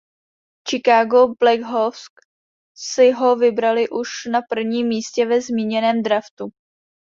Chicago Blackhawks si ho vybrali už na prvním místě ve zmíněném draftu.